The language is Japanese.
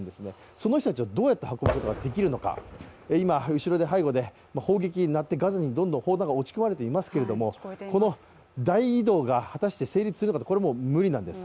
その人たちをどうやったら運ぶことができるのか、今、後ろで砲撃が起きてガザにどんどん砲弾が撃ち込まれていますけれども、この大移動が果たして成立するかと、これは無理なんです。